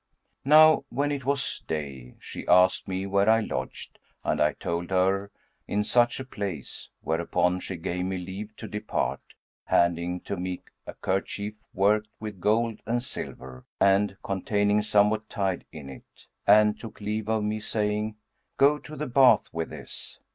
Now when it was day, she asked me where I lodged and I told her, 'In such a place;' whereupon she gave me leave to depart, handing to me a kerchief worked with gold and silver and containing somewhat tied in it, and took leave of me, saying, 'Go to the bath with this.'